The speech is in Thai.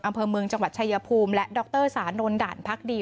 อำเภอเมืองจังหวัดชายภูมิและดรสานนท์ด่านพักดี